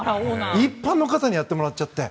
一般の方にやってもらっちゃって。